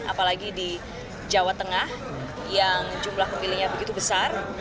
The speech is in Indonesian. apalagi di jawa tengah yang jumlah pemilihnya begitu besar